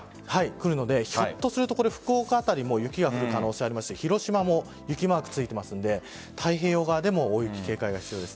ひょっとすると福岡あたりも雪が降る可能性があるのデ雪マークがついているので太平洋側でも大雪に警戒が必要でス。